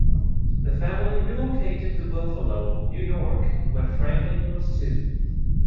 The family relocated to Buffalo, New York when Franklin was two.